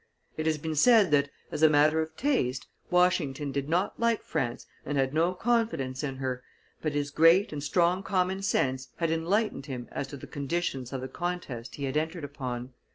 It has been said that, as a matter of taste, Washington did not like France and had no confidence in her, but his great and strong common sense had enlightened him as to the conditions of the contest he had entered upon.